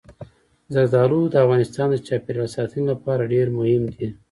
زردالو د افغانستان د چاپیریال ساتنې لپاره ډېر مهم دي.